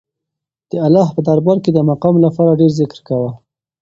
د الله په دربار کې د مقام لپاره ډېر ذکر کوه.